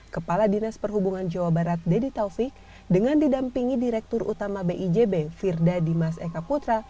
kepala dinas perhubungan jawa barat deddy taufik dengan didampingi direktur utama bijb firda dimas eka putra